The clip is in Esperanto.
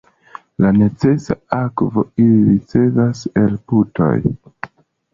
La necesa akvo ili ricevas el putoj.